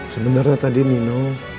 sebenernya tadi nino